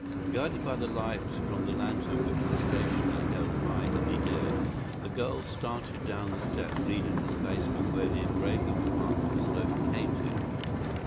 Guided by the light from the lantern which the stationer held high in the air, the girl started down the steps leading to the basement where the engraving department was located.